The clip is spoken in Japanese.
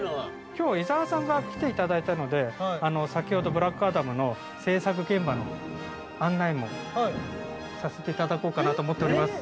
きょう伊沢さんに来ていただいたので、先ほど「ブラックアダム」の制作現場の案内もさせていただこうかなと思っております。